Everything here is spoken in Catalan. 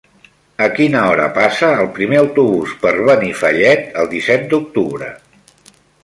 A quina hora passa el primer autobús per Benifallet el disset d'octubre?